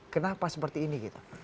kenapa seperti ini